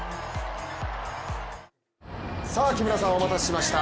木村さん、お待たせしました。